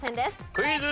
クイズ。